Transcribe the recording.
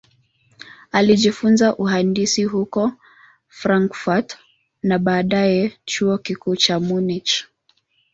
Alijifunza uhandisi huko Frankfurt na baadaye Chuo Kikuu cha Munich.